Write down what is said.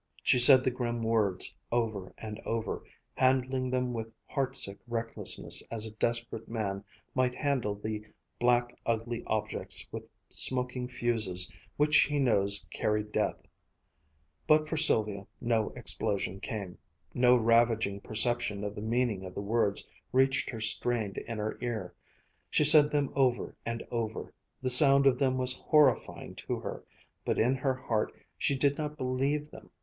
She said the grim words over and over, handling them with heartsick recklessness as a desperate man might handle the black, ugly objects with smoking fuses which he knows carry death. But for Sylvia no explosion came. No ravaging perception of the meaning of the words reached her strained inner ear. She said them over and over, the sound of them was horrifying to her, but in her heart she did not believe them.